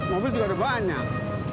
mobil juga ada banyak